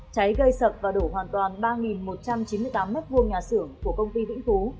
cháy gây sập và đổ hoàn toàn ba một trăm chín mươi tám m hai nhà xưởng của công ty vĩnh phú